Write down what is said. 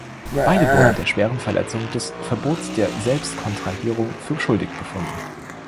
Beide wurden der schweren Verletzung des Verbots der Selbst-Kontrahierung für schuldig befunden.